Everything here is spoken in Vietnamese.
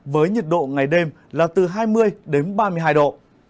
với nhiệt độ ngày đêm là từ hai mươi đến ba mươi hai độ